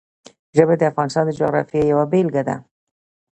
ژبې د افغانستان د جغرافیې یوه بېلګه ده.